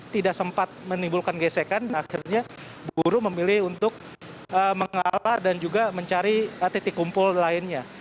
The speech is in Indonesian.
tidak sempat menimbulkan gesekan akhirnya buruh memilih untuk mengalah dan juga mencari titik kumpul lainnya